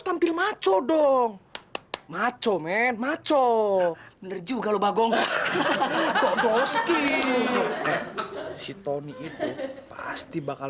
tampil maco dong macomen maco bener juga lu bagong bagong boski si tony itu pasti bakal